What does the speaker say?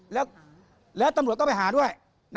แล้วตำรวจต้องไปหาด้วย